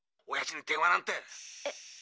おやじに電話なんて。